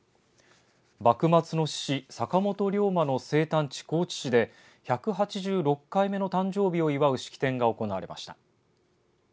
幕末の志士坂本龍馬の生誕地、高知市で１８６回目の誕生日を祝う式典が行われました。